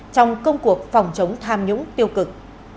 trong công cuộc phòng chống tham nhũng tiêu cực